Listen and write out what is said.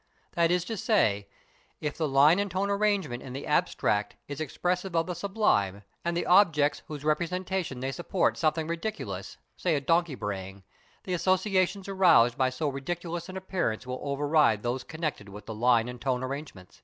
That is to say, if the line and tone arrangement in the abstract is expressive of the sublime, and the objects whose representation they support something ridiculous, say a donkey braying, the associations aroused by so ridiculous an appearance will override those connected with the line and tone arrangement.